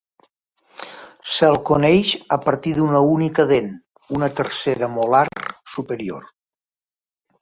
Se'l coneix a partir d'una única dent, una tercera molar superior.